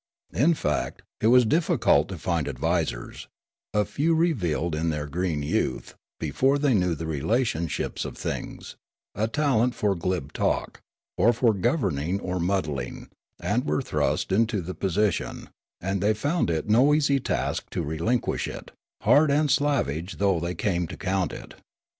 In fact it was difficult to find advisers ; a few re vealed in their green youth, before they knew the relationships of things, a talent for glib talk, or for governing, or muddling, and were thrust into the posi tion ; and they found it no easy task to relinquish it, hard and slavish though thej came to count it.